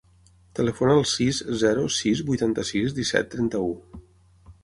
Telefona al sis, zero, sis, vuitanta-sis, disset, trenta-u.